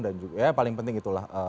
dan ya paling penting itulah